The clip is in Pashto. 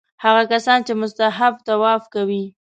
هغه کسان چې مستحب طواف کوي.